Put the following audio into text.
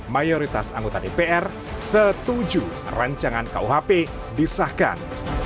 mayoritas anggota dpr setuju rancangan kuhp disahkan